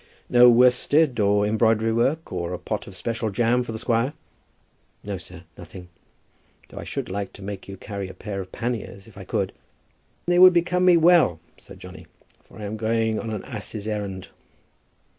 "No worsted or embroidery work, or a pot of special jam for the squire?" "No, sir, nothing; though I should like to make you carry a pair of panniers, if I could." "They would become me well," said Johnny, "for I am going on an ass's errand."